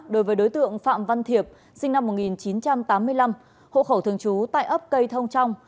đối với đối tượng phạm văn thiệp sinh năm một nghìn chín trăm tám mươi năm hộ khẩu thường trú tại ấp cây thông trong